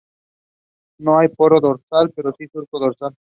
No hay poro dorsal pero sí surco dorsal.